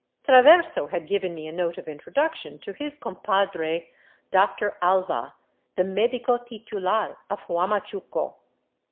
Traverso had given me a note of introduction to his compadre. Dr. Alva, the medico titular of Huamachuco.